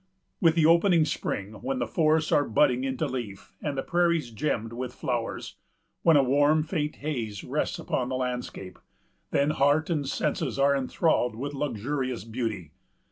With the opening spring, when the forests are budding into leaf, and the prairies gemmed with flowers; when a warm, faint haze rests upon the landscape,——then heart and senses are inthralled with luxurious beauty.